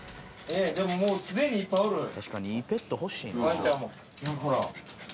「確かにいいペット欲しいな」